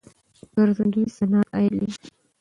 ګرځندوی صنعت عاید لري.